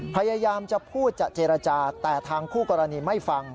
พยายามจะพูดจะเจรจาแต่ทางคู่กรณีไม่ฟัง